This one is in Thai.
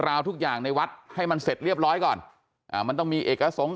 ราวทุกอย่างในวัดให้มันเสร็จเรียบร้อยก่อนอ่ามันต้องมีเอกสงฆ